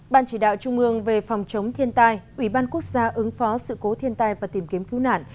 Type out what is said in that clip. ban chỉ đạo trung ương về phòng chống thiên tai ủy ban quốc gia ứng phó sự cố thiên tai và tìm kiếm cứu nạn